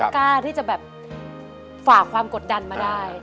กล้าที่จะแบบฝากความกดดันมาได้